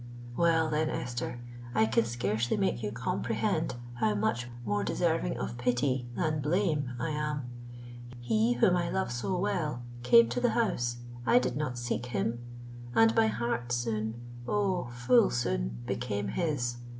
"—"Well, then, Esther, I can scarcely make you comprehend how much more deserving of pity than blame I am! He whom I love so well came to the house—I did not seek him; and my heart soon—oh! full soon became his.